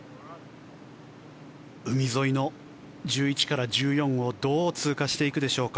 海沿いの１１から１４をどう通過していくでしょうか。